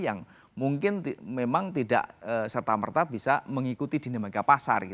yang mungkin memang tidak serta merta bisa mengikuti dinamika pasar